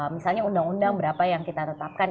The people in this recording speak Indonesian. misalnya undang undang berapa yang kita tetapkan